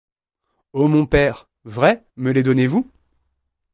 Ô mon père! vrai, me les donnez-vous?